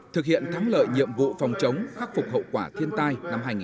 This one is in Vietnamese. thực hiện thắng lợi nhiệm vụ phòng chống khắc phục hậu quả thiên tai năm hai nghìn hai mươi